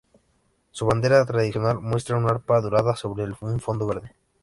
Su bandera tradicional muestra un arpa dorada sobre un fondo verde.